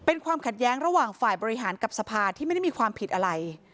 เป็นความขัดแย้งระหว่างฝ่ายบริหารกับสภาที่ไม่ได้มีความผิดอะไร